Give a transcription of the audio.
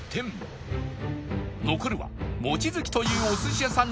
残るはモチヅキというお寿司屋さん